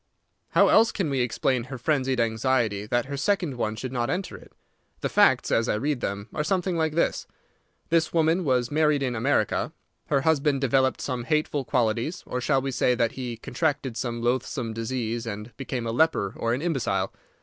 "How else can we explain her frenzied anxiety that her second one should not enter it? The facts, as I read them, are something like this: This woman was married in America. Her husband developed some hateful qualities; or shall we say that he contracted some loathsome disease, and became a leper or an imbecile?